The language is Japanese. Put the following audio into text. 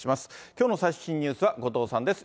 きょうの最新ニュースは後藤さんです。